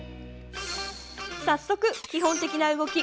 早速、基本的な動き